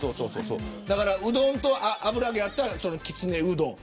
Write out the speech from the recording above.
うどんと油揚げあったらきつねうどん。